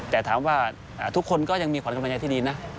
แต่ถามว่าทุกคนก็ยังมีขวัญกำลังใจที่ดีนะ